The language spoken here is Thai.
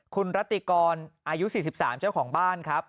คุณรัติกรอายุ๔๓เจ้าของบ้านครับ